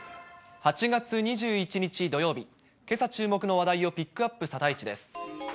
８月２１日土曜日、けさ注目の話題をピックアップ、サタイチです。